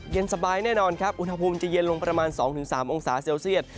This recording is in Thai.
เย็นสบายแน่นอนครับอุณหภูมิจะเย็นลงประมาณ๒๓องศาเซลเซียต